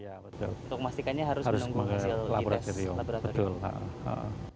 tapi untuk memastikannya harus mengambil hasil di tes laboratorium